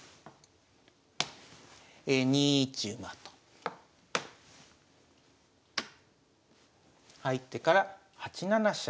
２一馬と入ってから８七飛車